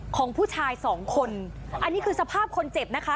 ของผู้ชายสองคนอันนี้คือสภาพคนเจ็บนะคะ